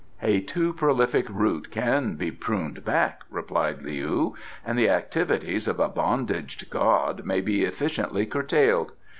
"A too prolific root can be pruned back," replied Leou, "and the activities of a bondaged god may be efficiently curtailed.